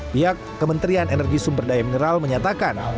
pihak kementerian energi sumber daya mineral menyatakan